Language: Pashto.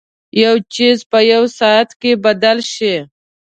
یو څیز په یوه ساعت کې بدل شي.